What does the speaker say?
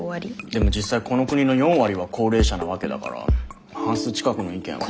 でも実際この国の４割は高齢者なわけだから半数近くの意見は。